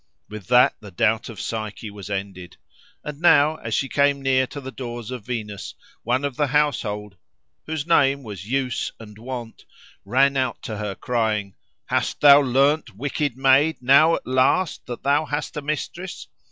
With that the doubt of Psyche was ended. And now, as she came near to the doors of Venus, one of the household, whose name was Use and Wont, ran out to her, crying, "Hast thou learned, Wicked Maid! now at last! that thou hast a mistress?"